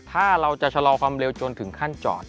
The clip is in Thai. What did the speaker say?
ถ้าเราจะชะลอความเร็วจนถึงขั้นจอด